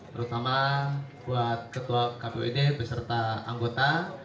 terutama buat ketua kpud beserta anggota